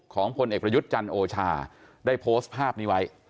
พลเอกประยุทธ์จันทร์โอชาได้โพสต์ภาพนี้ไว้